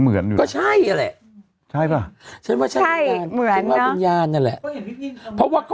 เหมือนก็ใช่อ่ะแหละใช่ป่ะฉันว่าใช่เหมือนนะว่าเป็นยานนั่นแหละเพราะว่าก็